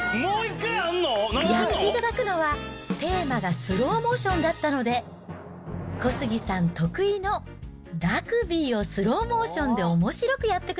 やっていただくのは、テーマがスローモーションだったので、小杉さん得意のラグビーをスローモーションでおもしろくやってく